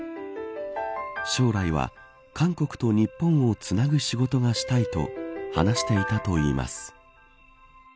将来は韓国と日本をつなぐ仕事がしたいと話していたといいます。